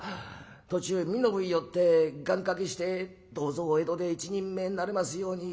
途中身延へ寄って願かけして『どうぞお江戸で一人前になれますように。